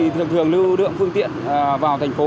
thường thường lưu đượng phương tiện vào thành phố